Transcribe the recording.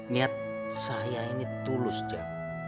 niat saya ini tulus ya